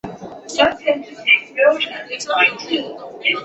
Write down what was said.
标津线。